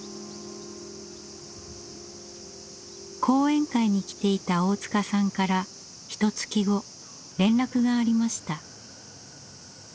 講演会に来ていた大塚さんからひとつき後連絡がありました。